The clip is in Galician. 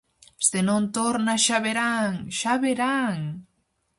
-Se non torna, xa verán, xa verán...